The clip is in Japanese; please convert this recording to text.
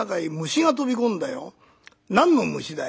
『何の虫だい？』。